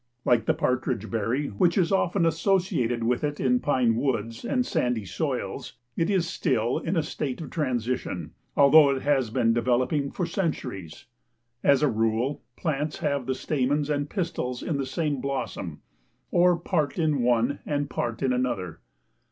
Like the partridge berry which is often associated with it in pine woods and sandy soils, it is still in a state of transition, although it has been developing for centuries. As a rule, plants have the stamens and pistils in the same blossom or part in one and part in another.